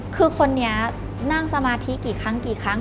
คือคนนี้นั่งสมาธิกี่ครั้งกี่ครั้ง